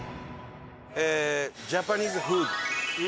ええージャパニーズフード。